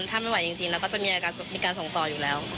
ถ้าไม่ไหวจริงเราก็จะมีการส่งต่ออยู่แล้ว